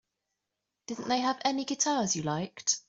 Didn't they have any guitars you liked?